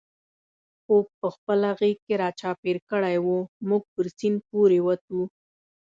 خوپ په خپله غېږ کې را چاپېر کړی و، موږ پر سیند پورې وتو.